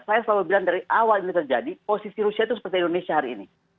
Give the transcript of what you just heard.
saya selalu bilang dari awal ini terjadi posisi rusia itu seperti indonesia hari ini